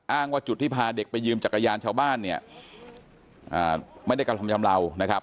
ว่าจุดที่พาเด็กไปยืมจักรยานชาวบ้านเนี่ยไม่ได้กระทำชำเลานะครับ